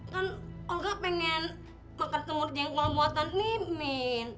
kan olga pengen makan semur kengkol muatan mimin